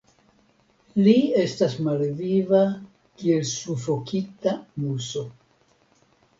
Li estas malviva kiel sufokita muso.